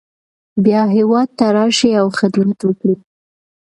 بیا هیواد ته راشئ او خدمت وکړئ.